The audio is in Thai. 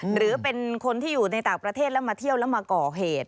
หรือเป็นคนที่อยู่ในต่างประเทศแล้วมาเที่ยวแล้วมาก่อเหตุ